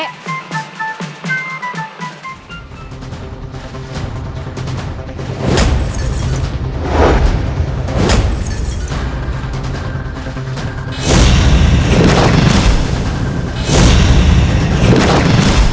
aku mau makan